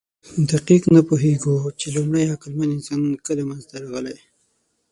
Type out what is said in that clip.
دقیق نه پوهېږو، چې لومړی عقلمن انسان کله منځ ته راغی.